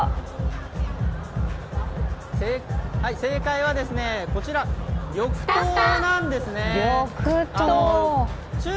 正解は、こちら緑豆なんですね。